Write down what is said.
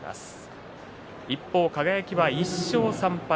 一方の輝は１勝３敗。